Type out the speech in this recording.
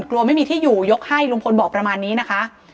กลัวไม่มีที่อยู่ยกให้ลุงพลบอกประมาณนี้นะคะ